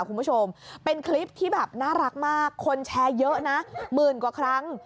คุณผู้ชมเป็นคลิปที่แบบน่ารักมากคนแชร์เยอะนะหมื่นกว่าครั้ง